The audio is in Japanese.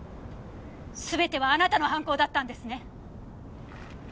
全てはあなたの犯行だったんですね！